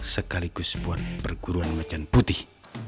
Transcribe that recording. sekaligus buat perguruan macan putih